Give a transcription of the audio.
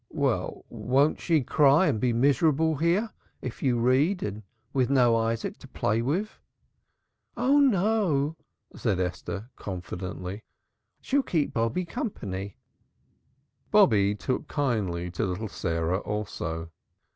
"Well, but won't she cry and be miserable here, if you read, and with no Isaac to play with?" "Oh no," said Esther confidently. "She'll keep Bobby company." Bobby took kindly to little Sarah also.